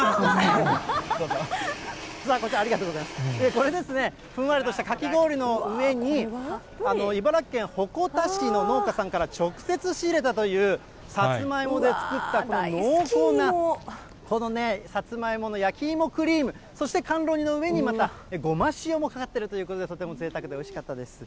これですね、ふんわりとしたかき氷の上に、茨城県鉾田市の農家さんから直接仕入れたというさつまいもで作ったこの濃厚な、さつまいもの焼き芋クリーム、そして甘露煮の上にまたごま塩もかかっているということで、とてもぜいたくでおいしかったです。